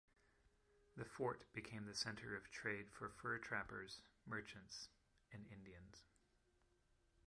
The fort became the center of trade for fur trappers, merchants and Indians.